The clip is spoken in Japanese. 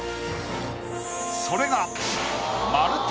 それが。